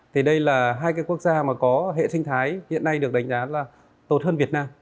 thì đây là hai cái quốc gia mà có hệ sinh thái hiện nay được đánh giá là tốt hơn việt nam